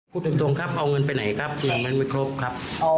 ไม่อยากขอโทษอะไรที่ทำไปครับ